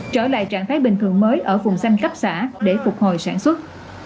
trở lại trạng thái bình thường mới ở vùng xanh cấp xã để phục hồi sản xuất